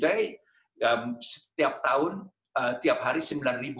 dan hari ini setiap tahun setiap hari